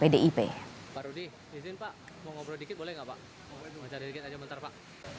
pak rudi izin pak mau ngobrol dikit boleh gak pak